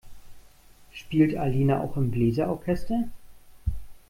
Spielt Alina auch im Bläser-Orchester?